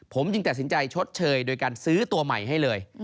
ผมจึงตัดสินใจชดเชยโดยการซื้อตัวใหม่ให้เลย